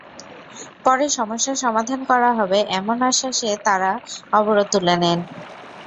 পরে সমস্যা সমাধান করা হবে এমন আশ্বাসে তাঁরা অবরোধ তুলে নেন।